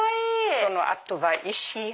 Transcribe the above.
その後は石。